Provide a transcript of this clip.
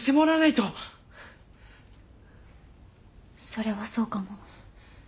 それはそうかも。